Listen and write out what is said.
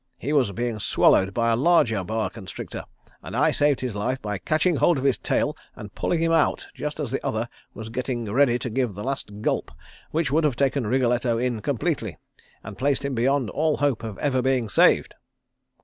He was being swallowed by a larger boa constrictor, and I saved his life by catching hold of his tail and pulling him out just as the other was getting ready to give the last gulp which would have taken Wriggletto in completely, and placed him beyond all hope of ever being saved."